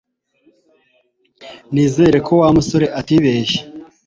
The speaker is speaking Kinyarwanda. Nizere ko Wa musore atibeshye